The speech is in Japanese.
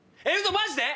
⁉マジで⁉